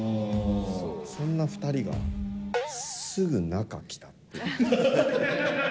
そんな２人が、すぐ中、着たっていう。